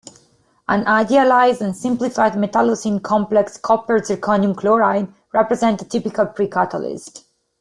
An idealized and simplified metallocene complex CpZrCl represents a typical precatalyst.